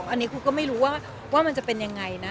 อันนี้ครูก็ไม่รู้ว่ามันจะเป็นยังไงนะ